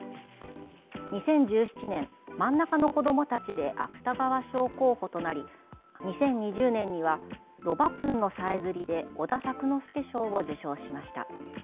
２０１７年「真ん中の子どもたち」で芥川賞候補となり２０２０年には「魯肉飯のさえずり」で織田作之助賞を受賞しました。